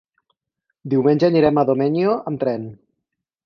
Diumenge anirem a Domenyo amb tren.